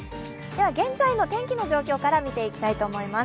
現在の天気の状況から見ていきたいと思います。